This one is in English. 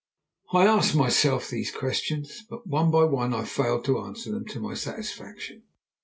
I asked myself these questions, but one by one I failed to answer them to my satisfaction.